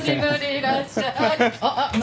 いらっしゃい。